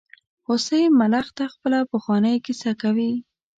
هوسۍ ملخ ته خپله پخوانۍ کیسه کوي.